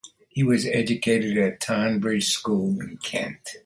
He was educated at Tonbridge School in Kent.